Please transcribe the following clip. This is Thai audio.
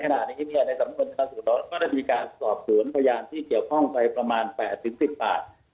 ในสำนวนชนสูตรเราก็จะมีสอบสวนเพยานที่สำควรไป๘๑๐บาท